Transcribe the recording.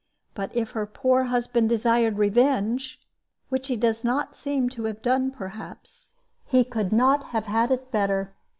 But if her poor husband desired revenge which he does not seem to have done, perhaps he could not have had it better.